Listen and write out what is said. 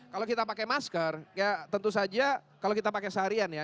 kalau kita pakai masker ya tentu saja kalau kita pakai seharian ya